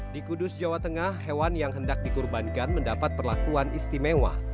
di kudus jawa tengah hewan yang hendak dikurbankan mendapat perlakuan istimewa